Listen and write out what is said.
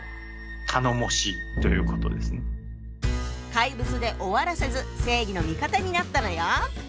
怪物で終わらせず正義の味方になったのよ。